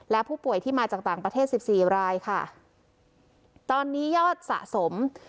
และผู้ป่วยที่มาจากต่างประเทศสิบสี่รายค่ะตอนนี้ยอดสะสม